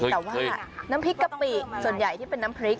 แต่ว่าน้ำพริกกะปิส่วนใหญ่ที่เป็นน้ำพริก